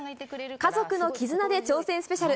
家族の絆で挑戦スペシャル。